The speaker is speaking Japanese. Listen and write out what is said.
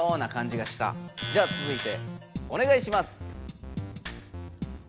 じゃあつづいておねがいします。